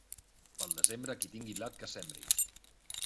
Pel desembre, qui tingui blat que sembri.